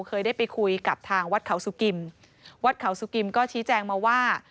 เคยได้ไปคุยกับทางวัดเขาสุกิมวัดเขาสุกิมก็ชี้แจงมาว่า